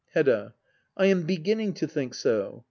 Hedda. I am beginning to think so.